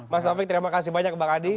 mas taufik terima kasih banyak bang adi